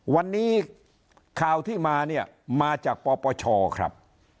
วันนี้ข่าวที่มาเนี่ยมาจากปปชครับ